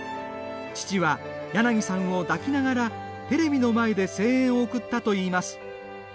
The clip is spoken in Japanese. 父は、柳さんを抱きながらテレビの前で声援を送ったといいます。